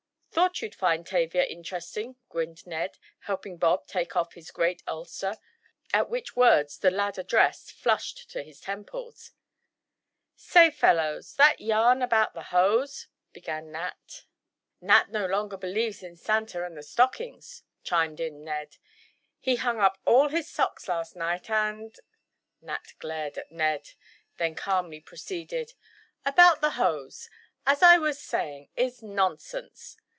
"Thought you'd find Tavia interesting," grinned Ned, helping Bob take off his great ulster, at which words the lad addressed flushed to his temples. "Say, fellows, that yarn about the hose——" began Nat. "Nat no longer believes in Santa and the stockings," chimed in Ned, "he hung up all his socks last night and——" Nat glared at Ned, then calmly proceeded: "About the hose, as I was saying, is nonsense!